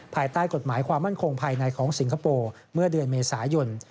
ภายใต้กฎหมายความมั่นคงภายในของสิงคโปร์เมื่อเดือนเมษายน